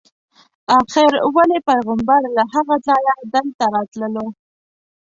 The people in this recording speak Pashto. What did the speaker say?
آخر ولې پیغمبر له هغه ځایه دلته راتللو.